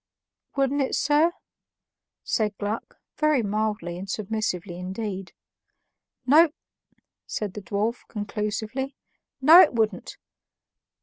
"Wouldn't it, sir?" said Gluck very mildly and submissively indeed. "No," said the dwarf, conclusively, "no, it wouldn't."